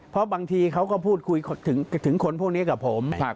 เพราะบางทีเขาก็พูดคุยถึงคนพวกนี้กับผม